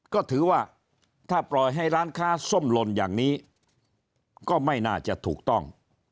ก็ถือว่าถ้าปล่อยให้ร้านค้าส้มหล่นอย่างนี้ก็ไม่น่าจะถูกต้อง